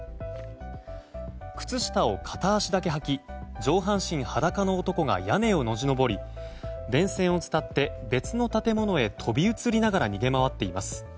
靴下を片足だけはき上半身裸の男が屋根をよじ登り、電線を伝って別の建物へ飛び移りながら逃げ回っています。